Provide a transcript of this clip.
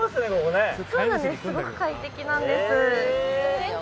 すごく快適なんです。